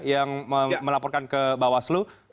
yang melaporkan ke bawaslo